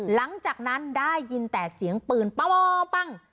หลังจากนั้นได้ยินแต่เสียงปืนปั้ง